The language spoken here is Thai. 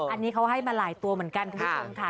อันนี้เขาให้มาหลายตัวเหมือนกันคุณผู้ชมค่ะ